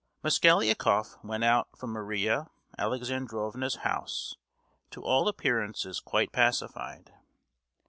Mosgliakoff went out from Maria Alexandrovna's house to all appearances quite pacified.